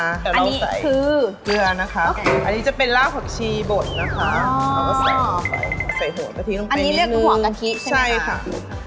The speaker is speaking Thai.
อันนี้คือเกลือนะคะโอเคอันนี้จะเป็นล่าผักชีบดนะคะอ๋อแล้วก็ใส่ลงไปใส่หัวกะทิลงไปนิดนึงอันนี้เรียกหัวกะทิใช่ไหมคะใช่ค่ะ